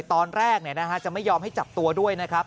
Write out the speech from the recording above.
แต่ตอนแรกเนี่ยนะฮะจะไม่ยอมให้จับตัวด้วยนะครับ